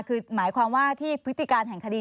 คือหมายความว่าที่พฤติการแห่งคดี